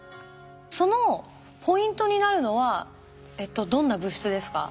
そのポイントになるのはどんな物質ですか？